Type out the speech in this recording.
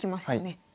はい。